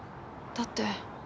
だって。